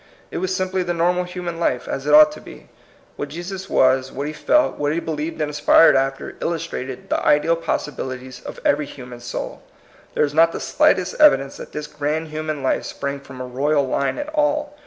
It was simply the normal human life, as it ought to be. What Jesus was, what he felt, what he believed and aspired after, illustrated the ideal possibilities of every human soul. There is not the slightest evidence that this grand human life sprang from a royal line at all.